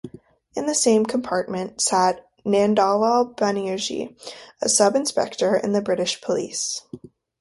In the same compartment sat Nandalal Banerjee, a sub-inspector in the British police.